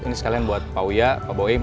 ini sekalian buat pak wia pak boim